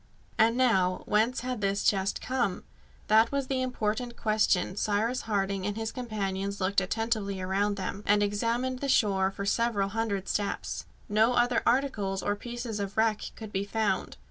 And now, whence had this chest come? That was the important question Cyrus Harding and his companions looked attentively around them, and examined the shore for several hundred steps. No other articles or pieces of wreck could be found.